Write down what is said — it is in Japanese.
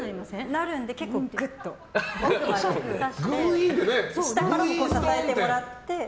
なるので、結構奥までさして下からも支えてもらって。